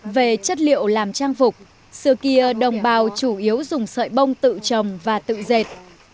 về chất liệu làm trang phục xưa kia đồng bào chủ yếu dùng sợi bông tự trồng và tự dệt